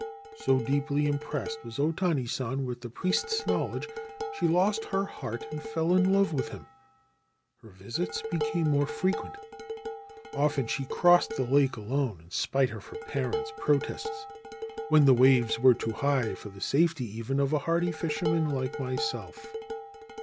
4 So deeply impressed was O Tani San with the priest's knowledge, she lost her heart and fell in love with him. Her visits became more frequent. Often she crossed the lake alone, in spite of her parents' protests, when the waves were too high for the safety even of a hardy fisherman like myself.